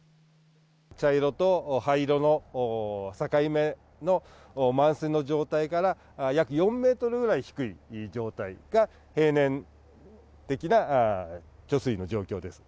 茶色と灰色の境目の満水の状態から、約４メートルぐらい低い状態が、平年的な貯水の状況です。